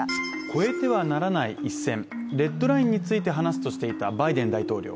越えてはならない一線＝レッドラインについて話すとしていたバイデン大統領。